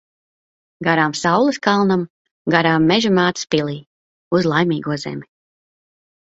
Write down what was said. Garām saules kalnam, garām Meža mātes pilij. Uz Laimīgo zemi.